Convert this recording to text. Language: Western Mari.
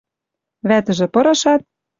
Вӓтӹжӹ пырышат